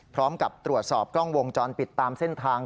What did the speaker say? พร้อมกับตรวจสอบกล้องวงจรปิดตามเส้นทาง